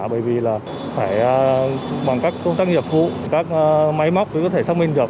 bởi vì là phải bằng các công tác nghiệp vụ các máy móc mới có thể xác minh được